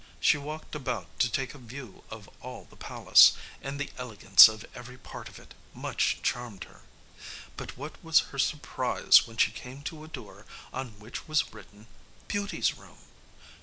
She walked about to take a view of all the palace, and the elegance of every part of it much charmed her. But what was her surprise when she came to a door on which was written BEAUTY'S ROOM!